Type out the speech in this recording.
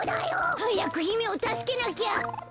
はやくひめをたすけなきゃ。